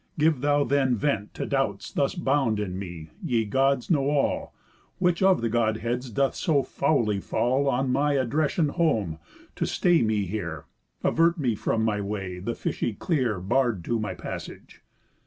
Give thou then vent To doubts thus bound in me, ye Gods know all, Which of the Godheads doth so foully fall On my addression home, to stay me here, Avert me from my way, the fishy clear Barr'd to my passage?